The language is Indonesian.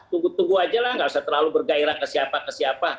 tunggu tunggu aja lah nggak usah terlalu bergairah ke siapa ke siapa